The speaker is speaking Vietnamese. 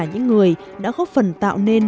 những người đã góp phần tạo nên